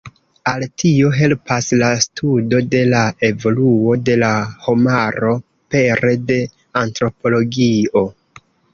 Al tio helpas la studo de la evoluo de la homaro pere de antropologio.